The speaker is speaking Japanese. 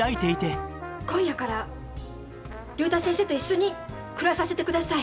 今夜から竜太先生と一緒に暮らさせてください！